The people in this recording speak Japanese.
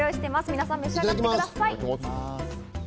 皆さん、召し上がってみてください。